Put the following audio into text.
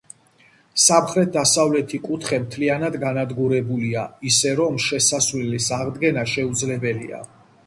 სამხრეთ-დასავლეთი კუთხე მთლიანად განადგურებულია, ისე, რომ შესასვლელის აღდგენა შეუძლებელია.